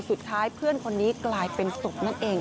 เพื่อนคนนี้กลายเป็นศพนั่นเอง